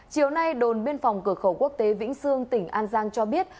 chiều nay đồn biên phòng cửa khẩu quốc tế vĩnh sương tỉnh an giang cho biết